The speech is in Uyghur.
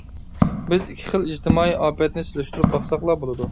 بىز ئىككى خىل ئىجتىمائىي ئاپەتنى سېلىشتۇرۇپ باقساقلا بولىدۇ.